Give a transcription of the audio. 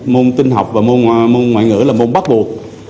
môn tinh học và môn ngoại ngữ là môn bắt buộc